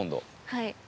はい。